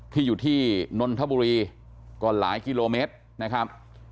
ที่อยู่ที่นนทบุรีก็หลายกิโลเมตรนะครับ